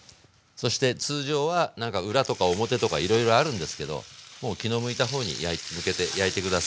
そして通常はなんか裏とか表とかいろいろあるんですけどもう気の向いた方に向けて焼いて下さい。